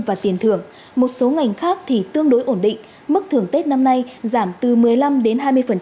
và tiền thưởng một số ngành khác thì tương đối ổn định mức thưởng tết năm nay giảm từ một mươi năm đến hai mươi